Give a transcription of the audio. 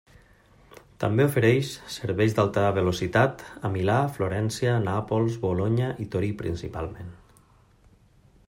També ofereix serveis d'alta velocitat a Milà, Florència, Nàpols, Bolonya i Torí principalment.